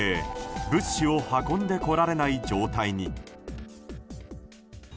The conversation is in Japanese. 物資を運んでこられない状態に。